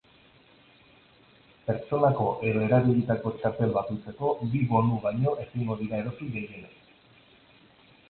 Pertsonako edo erabilitako txartel bakoitzeko bi bonu baino ezingo dira erosi gehienez.